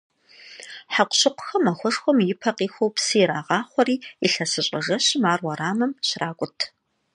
Хьэкъущыкъухэм махуэшхуэм и пэ къихуэу псы ирагъахъуэри, илъэсыщӀэ жэщым ар уэрамым щракӀут.